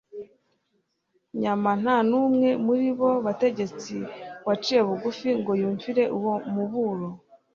nyama nta numwe muri abo bategetsi waciye bugufi ngo yumvire uwo muburo